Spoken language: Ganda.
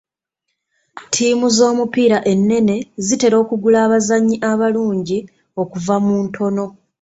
Ttiimu z'omupiira ennene zitera okugula abazannyi abalungi okuva mu ntono.